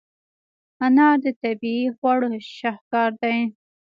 انار د طبیعي خواړو شاهکار دی.